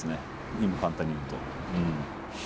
今簡単に言うと。